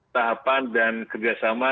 tahapan dan kerjasama